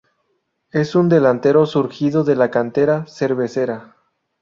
Es un delantero surgido de la cantera cervecera.